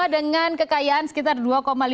dengan kekayaan sekitar dua lima triliun rupiah